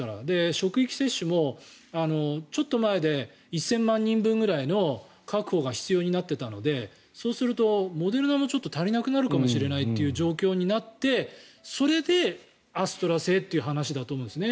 職域接種もちょっと前で１０００万人分くらいの確保が必要になっていたのでそうするとモデルナが足りなくなるかもしれないという状況になってそれでアストラ製という話だと思うんですね。